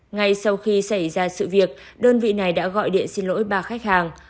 ngay sau khi xảy ra sự việc đơn vị này đã gọi điện xin lỗi ba khách hàng